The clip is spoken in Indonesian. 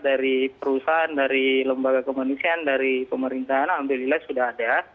dari perusahaan dari lembaga kemanusiaan dari pemerintahan alhamdulillah sudah ada